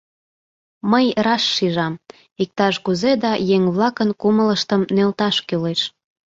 Мый раш шижам: иктаж-кузе да еҥ-влакын кумылыштым нӧлташ кӱлеш.